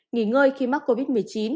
nghỉ ngơi khi mắc covid một mươi chín